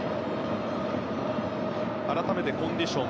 改めてコンディション。